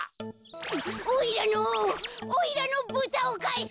「おいらのおいらのブタをかえせ」。